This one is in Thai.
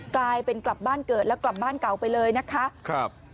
กลายเป็นกลับบ้านเกิดแล้วกลับบ้านเก่าไปเลยนะคะครับ